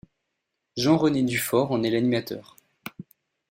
Jean-René Dufort en est l'animateur.